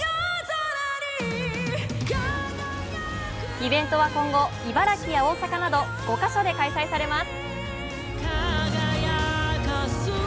イベントは今後、茨城や大阪など５か所で開催されます。